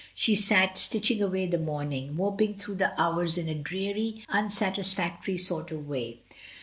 She sat stitching away the morning, moping through the hours in a dreary, unsatisfactory sort of way.